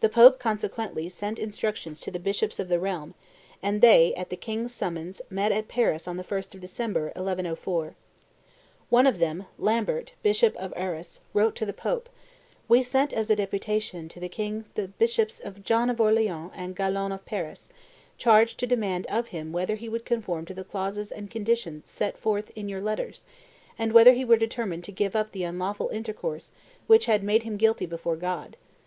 The Pope, consequently, sent instructions to the bishops of the realm; and they, at the king's summons, met at Paris on the 1st of December, 1104. One of them, Lambert, bishop of Arras, wrote to the Pope, "We sent as a deputation to the king the bishops John of Orleans and Galon of Paris, charged to demand of him whether he would conform to the clauses and conditions set forth in your letters, and whether he were determined to give up the unlawful intercourse which had made him guilty before God.